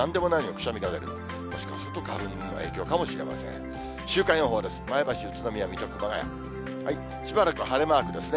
しばらく晴れマークですね。